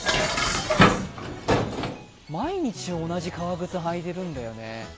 毎日同じ革靴履いてるんだよね。